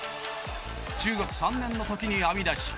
中学３年の時に編み出し